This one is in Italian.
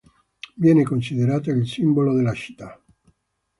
Viene considerata il simbolo della città.